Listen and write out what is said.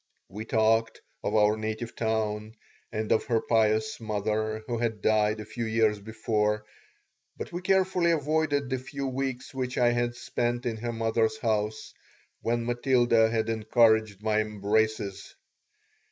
We talked of our native town and of her pious mother, who had died a few years before, but we carefully avoided the few weeks which I had spent in her mother's house, when Matilda had encouraged my embraces.